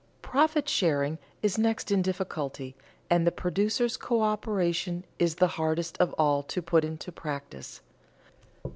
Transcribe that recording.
Profit sharing is next in difficulty, and producers' coöperation is the hardest of all to put into practice.